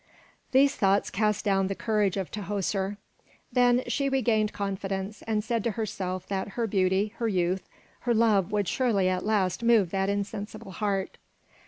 These thoughts cast down the courage of Tahoser. Then she regained confidence, and said to herself that her beauty, her youth, her love would surely at last move that insensible heart.